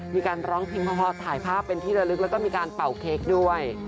มีการร้องเพลงพอถ่ายภาพเป็นที่ระลึกแล้วก็มีการเป่าเค้กด้วย